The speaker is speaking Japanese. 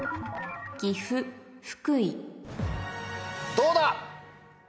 どうだ？